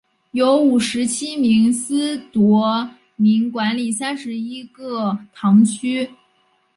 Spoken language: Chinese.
由五十七名司铎名管理三十一个堂区。